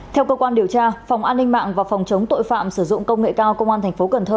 theo cơ quan điều tra phòng an ninh mạng và phòng chống tội phạm sử dụng công nghệ cao công an tp cn